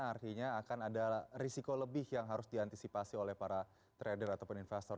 artinya akan ada risiko lebih yang harus diantisipasi oleh para trader ataupun investor